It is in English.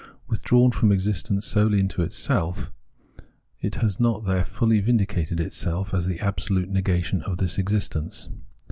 Withdrawn from ex istence solely into itself, it has not there fully vindicated itself as the absolute negation of this existence.